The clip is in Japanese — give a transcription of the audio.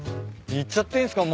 行っちゃっていいっすか？